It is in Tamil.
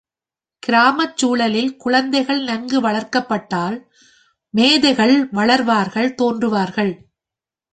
கிராமச் சூழலில் குழந்தைகள் நன்கு வளர்க்கப்பட்டால் மேதைகள் வளர்வார்கள் தோன்றுவார்கள்.